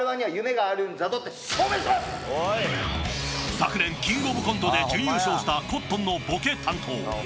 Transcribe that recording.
昨年、キングオブコントで準優勝したコットンのボケ担当。